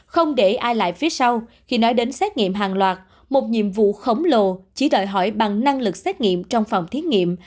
không để ai lại phía sau khi nói đến xét nghiệm hàng loạt một nhiệm vụ khổng lồ chỉ đòi hỏi bằng năng lực xét nghiệm trong phòng thí nghiệm